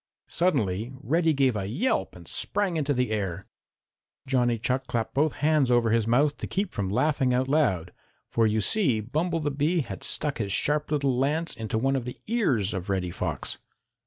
Suddenly Reddy gave a yelp and sprang into the air. Johnny Chuck clapped both hands over his mouth to keep from laughing out loud, for you see Bumble the Bee had stuck his sharp little lance into one of the ears of Reddy Fox.